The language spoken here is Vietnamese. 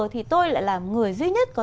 thì tôi lại là người duy nhất